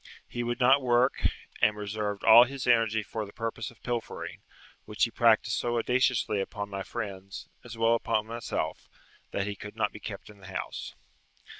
He would not work, and reserved all his energy for the purpose of pilfering, which he practised so audaciously upon my friends, as well as upon myself, that he could not be kept in the house.